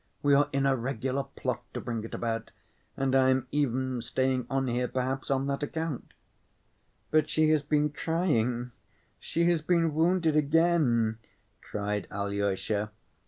We are in a regular plot to bring it about, and I am even staying on here perhaps on that account." "But she has been crying—she has been wounded again," cried Alyosha.